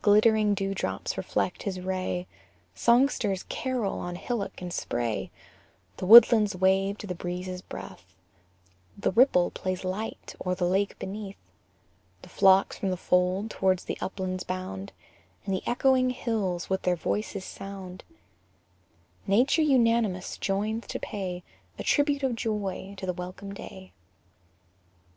Glittering dewdrops reflect his ray, Songsters carol on hillock and spray, The woodlands wave to the breeze's breath, The ripple plays light o'er the lake beneath, The flocks from the fold towards the uplands bound, And the echoing hills with their voices sound: Nature unanimous joins to pay A tribute of joy to the welcome day.